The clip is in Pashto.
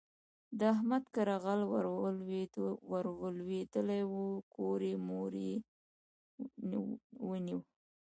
د احمد کره غل ور لوېدلی وو؛ ګوری موری يې ونيو.